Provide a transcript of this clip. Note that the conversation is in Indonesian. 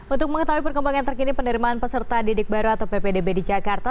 untuk mengetahui perkembangan terkini penerimaan peserta didik baru atau ppdb di jakarta